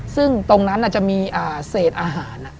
ซึ่งตรงนั้นจะมีเศษอาหาร